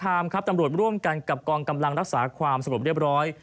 ครับตำรวจร่วมกันกับกองกำลังรักษาความสงบเรียบร้อย